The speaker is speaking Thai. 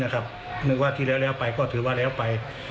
ใครก็ถือว่าแล้วไป